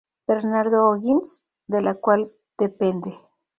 Bernardo O'Higgins, de la cual depende.